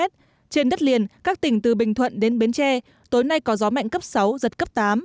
trên đất liền các tỉnh từ bình thuận đến bến tre tối nay có gió mạnh cấp sáu giật cấp tám